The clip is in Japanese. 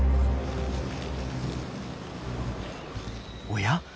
おや？